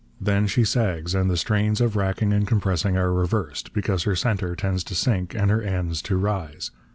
Then she sags, and the strains of racking and compressing are reversed, because her centre tends to sink and her ends to rise.